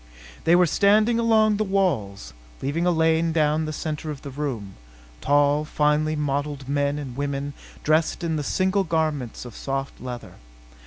They were standing along the walls, leaving a lane down the center of the room tall, finely modelled men and women dressed in the single garments of soft leather.